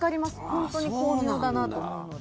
本当に巧妙だなと思うので。